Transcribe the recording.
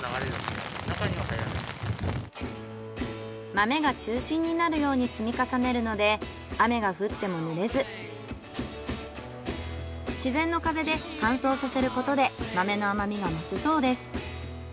豆が中心になるように積み重ねるので雨が降っても濡れず自然の風で乾燥させることで豆の甘みが増すそうです。